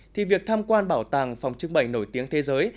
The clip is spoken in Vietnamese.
thì việc tham quan bảo tàng phòng trưng bày nổi tiếng thế giới